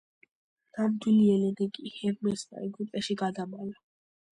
ნამდვილი ელენე კი ჰერმესმა ეგვიპტეში გადამალა.